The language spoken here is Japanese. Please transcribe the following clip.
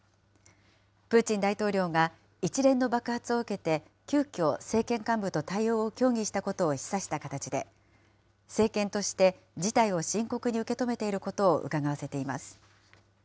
プーチン大統領が、一連の爆発を受けて、急きょ政権幹部と対応を協議したことを示唆した形で、政権として事態を深刻に受け止めていることをうかがわせています。